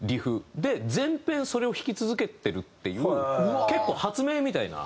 で全編それを弾き続けてるっていう結構発明みたいな。